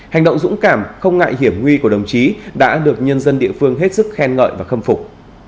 hành động dũng cảm không ngại hiểm nguy của đồng chí đã được nhân dân địa phương hết sức khen ngợi và khâm phục